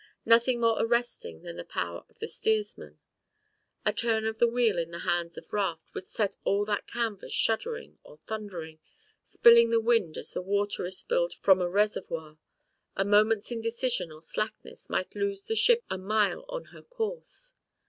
Nothing more arresting than the power of the steersman. A turn of the wheel in the hands of Raft would set all that canvas shuddering or thundering, spilling the wind as the water is spilled from a reservoir, a moment's indecision or slackness might lose the ship a mile on her course.